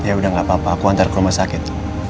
ya udah gak apa apa aku antar ke rumah sakit